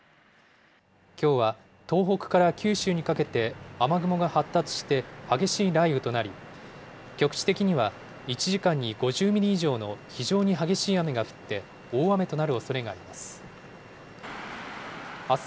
きょうは東北から九州にかけて雨雲が発達して、激しい雷雨となり、局地的には１時間に５０ミリ以上の非常に激しい雨が降って、大雨となるおそれがあります。